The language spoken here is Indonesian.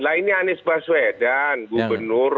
lah ini anies baswedan gubernur